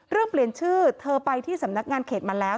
เปลี่ยนชื่อเธอไปที่สำนักงานเขตมาแล้ว